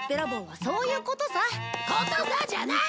「ことさ！」じゃない！